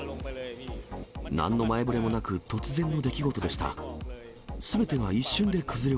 なんの前触れもなく、突然の出来事でした。